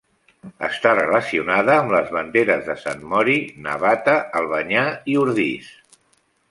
Està relacionada amb les banderes de Sant Mori, Navata, Albanyà i Ordis.